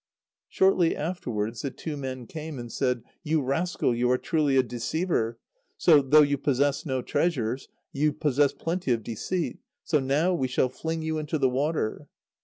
Shortly afterwards, the two men came, and said: "You rascal! you are truly a deceiver. So, though you possess no treasures, you possess plenty of deceit. So now we shall fling you into the water."